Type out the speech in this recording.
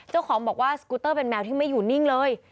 เจ้าของบอกว่าสกูเตอร์เป็นแมวที่ไม่อยู่นิ่งเลย